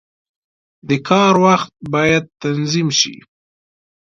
• د کار وخت باید تنظیم شي.